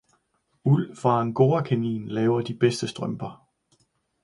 Uld fra angorakanin laver de bedste strømper